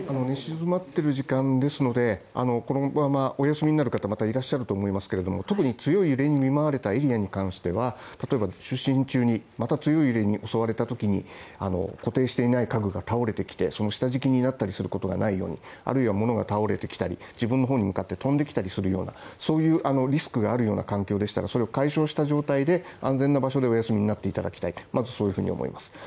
寝静まっている時間ですので、このままお休みになる方いらっしゃると思いますけど特に強い揺れに見舞われたエリアに関しては、例えば就寝中にまた強い揺れに襲われたときに固定していない家具が倒れてきてその下敷きになったりすることがないようにあるいは物が倒れてきたり、自分の方に向かって飛んできたり、そういうリスクがあるような環境でしたらそれを解消した状況で安全な場所でお休みになっていただきたいと思います。